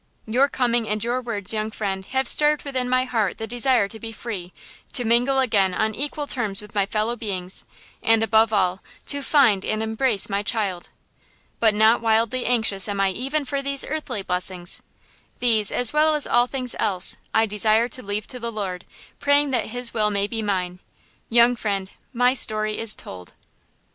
Your coming and your words, young friend, have stirred within my heart the desire to be free, to mingle again on equal terms with my fellow beings, and above all, to find and embrace my child. But not wildly anxious am I even for these earthly blessings. These, as well as all things else, I desire to leave to the Lord, praying that His will may be mine. Young friend, my story is told."